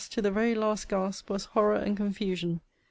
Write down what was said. to the very last gasp, was horror and confusion.